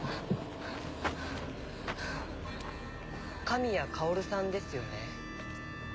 神谷薫さんですよね。